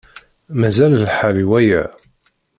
Mazal lḥal i waya.